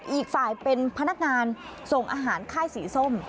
อีกฝ่ายเป็นพนักงานส่งอาหารค่ายสีส้ม